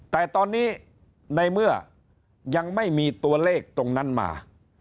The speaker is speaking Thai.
แต่ตอนนี้ในเมื่อยังไม่มีตัวเลขตรงนั้นมา